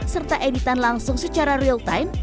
serta editan langsung secara real time